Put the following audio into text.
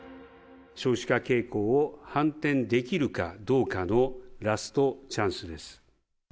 少子化傾向を反転できるかどうかのラストチャンスです。